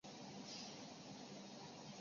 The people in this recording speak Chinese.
司机向车内的人广播